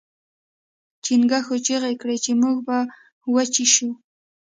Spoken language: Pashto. چنګښو چیغې کړې چې موږ به وچې شو.